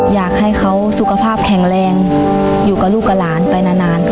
อยากให้เขาสุขภาพแข็งแรงอยู่กับลูกกับหลานไปนาน